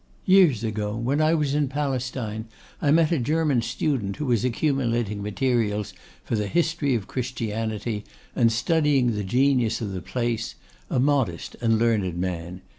Years ago, when I was In Palestine, I met a German student who was accumulating materials for the History of Christianity, and studying the genius of the place; a modest and learned man.